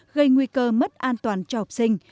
gây nguy cơ mất an toàn cho học sinh